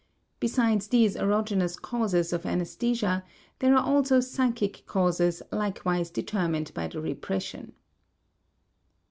Besides these erogenous causes of anesthesia there are also psychic causes likewise determined by the repression.